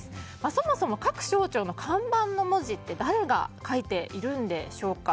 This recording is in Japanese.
そもそも各省庁の看板の文字は誰が書いているんでしょうか。